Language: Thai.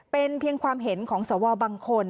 เป็นเพียงความเห็นของสวบางคน